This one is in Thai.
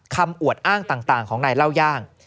คำอวดอ้างต่างของในเล่าย่าง